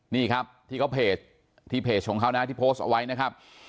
นี่ครับที่เขาเพจที่เพจของเขานะที่โพสต์เอาไว้นะครับ